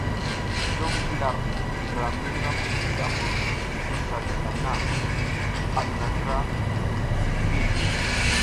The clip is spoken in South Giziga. Ndum ngi lar ndra mi ramdi da mbur mi ndǝra dalam na a ɗuwula ndra sik ngi.